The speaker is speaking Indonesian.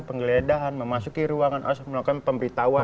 penggeledahan memasuki ruangan harus melakukan pemberitahuan